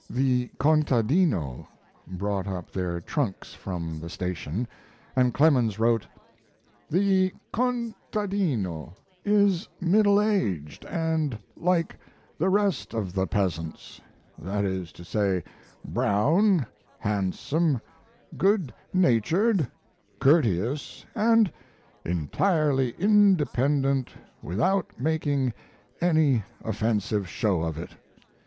The 'contadino' brought up their trunks from the station, and Clemens wrote: The 'contadino' is middle aged & like the rest of the peasants that is to say, brown, handsome, good natured, courteous, & entirely independent without making any offensive show of it.